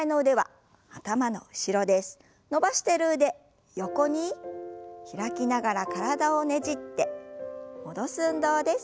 伸ばしてる腕横に開きながら体をねじって戻す運動です。